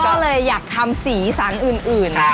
ก็เลยอยากทำสีสันอื่น